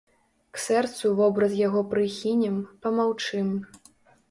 К сэрцу вобраз яго прыхінем, памаўчым.